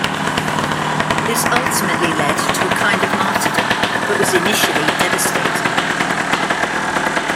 This ultimately lead to a kind of martyrdom but was initially devastating.